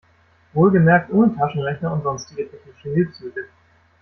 Wohlgemerkt ohne Taschenrechner und sonstige technische Hilfsmittel.